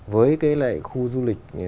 với khu du lịch